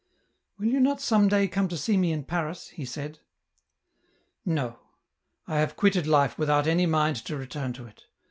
'* Will you not come some day to see me in Paris ?" he said. " No. I have quitted life without any mind to return to it.